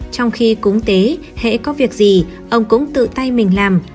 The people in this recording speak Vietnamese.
trong khi cúng tế hãy có việc gì ông cũng tự tay mình làm